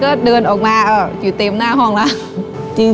ก็เดินออกมาอยู่เต็มหน้าห้องแล้ว